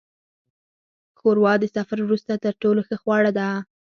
ښوروا د سفر وروسته تر ټولو ښه خواړه ده.